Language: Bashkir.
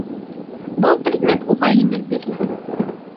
Был предмет уға еңел бирелә